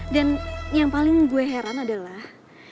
dan yang paling gue heran adalah